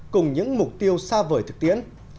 cùng những mục tiêu xa vời thực tiến